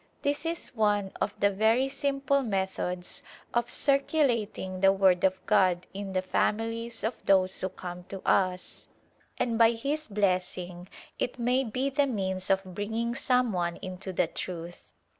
This is one of the very simple methods of circulating the Word of God in the families of those who come to us, and by His blessing it may be the means of bringing someone into the truth.